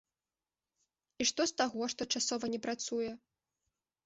І што з таго, што часова не працуе?